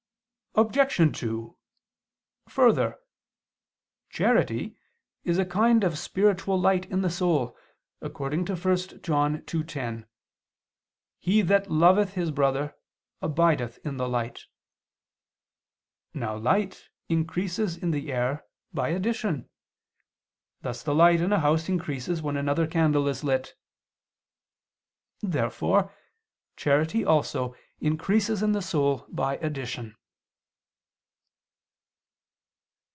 Obj. 2: Further, charity is a kind of spiritual light in the soul, according to 1 John 2:10: "He that loveth his brother abideth in the light." Now light increases in the air by addition; thus the light in a house increases when another candle is lit. Therefore charity also increases in the soul by addition.